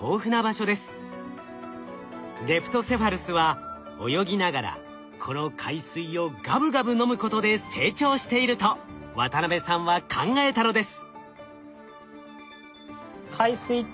レプトセファルスは泳ぎながらこの海水をガブガブ飲むことで成長していると渡辺さんは考えたのです。